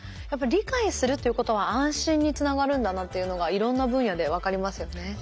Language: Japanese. やっぱり理解するということは安心につながるんだなっていうのがいろんな分野で分かりますよね。